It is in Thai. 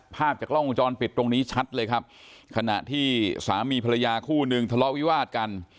ภาพจากกล้องวงจรปิดตรงนี้ชัดเลยครับขณะที่สามีภรรยาคู่หนึ่งทะเลาะวิวาดกัน